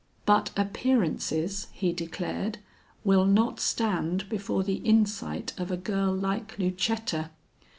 "But appearances," he declared, "will not stand before the insight of a girl like Lucetta.